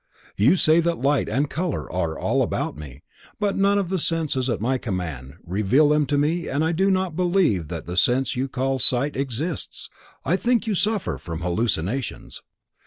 You say that light and color are all about me, but none of the senses at my command reveal them to me and I do not believe that the sense you call sight exists. I think you suffer from hallucinations.